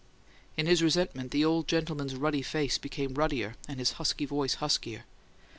In his resentment, the old gentleman's ruddy face became ruddier and his husky voice huskier.